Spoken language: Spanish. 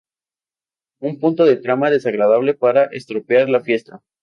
Un punto de trama desagradable para estropear la fiesta.